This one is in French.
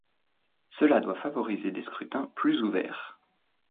Cela doit favoriser des scrutins plus ouverts.